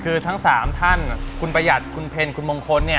คือทั้ง๓ท่านคุณประหยัดคุณเพ็ญคุณมงคลเนี่ย